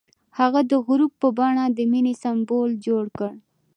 هغه د غروب په بڼه د مینې سمبول جوړ کړ.